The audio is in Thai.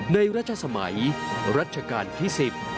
ในรัชสมัยรัชกาลที่๑๐